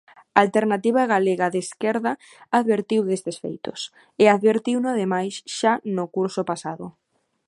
Alternativa Galega de Esquerda advertiu destes feitos, e advertiuno ademais xa no curso pasado.